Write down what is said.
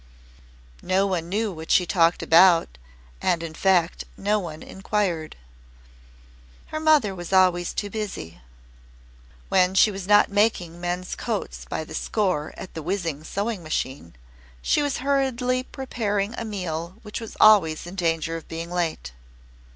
No one knew what she talked about, and in fact no one inquired. Her mother was always too busy. When she was not making men's coats by the score at the whizzing sewing machine, she was hurriedly preparing a meal which was always in danger of being late.